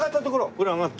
これ上がって。